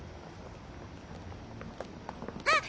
あっ！